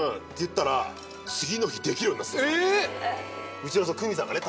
うちのクミさんがね